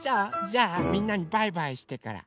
じゃあみんなにバイバイしてから。